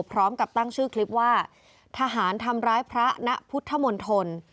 พร้อมกับตั้งชื่อคลิปว่าทหารทำร้ายพระณพุทธมณฑล